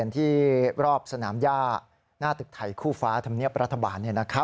ที่รอบสนามย่าหน้าตึกไทยคู่ฟ้าธรรมเนียบรัฐบาล